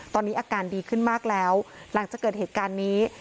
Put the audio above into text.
ตอนนี้อาการดีขึ้นมากแล้วหลังจากเกิดเหตุการณ์นี้